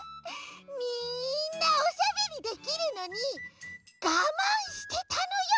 みんなおしゃべりできるのにがまんしてたのよ！